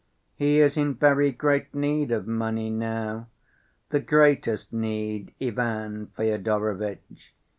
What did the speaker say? "He is in very great need of money now—the greatest need, Ivan Fyodorovitch.